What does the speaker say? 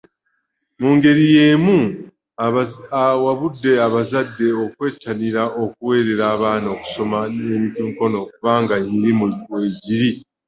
Mungeri yeemu, awabudde abazadde okwettanira okuweerera abaana okusoma eby’emikono kubanga emirimu weegiri.